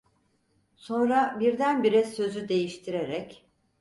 Sonra birdenbire sözü değiştirerek: